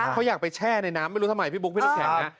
เขาอยากไปแช่ในน้ำไม่รู้ทำไมพี่บุ๊คพี่น้ำแข็งนะ